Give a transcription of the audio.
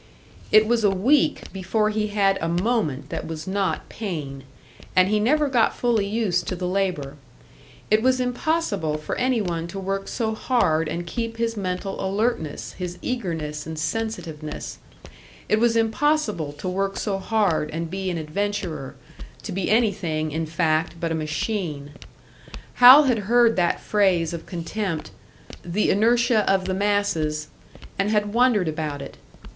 It was a week before he had a moment that was not pain; and he never got fully used to the labour. It was impossible for any one to work so hard and keep his mental alertness, his eagerness and sensitiveness; it was impossible to work so hard and be an adventurer to be anything, in fact, but a machine. Hal had heard that phrase of contempt, "the inertia of the masses," and had wondered about it.